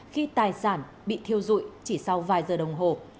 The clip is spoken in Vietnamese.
khi tài sản bị thiêu dụi chỉ sau vài giờ đồng hồ